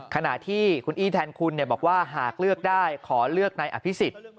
ขณะที่คุณอี้แทนคุณบอกว่าหากเลือกได้ขอเลือกนายอภิษฎ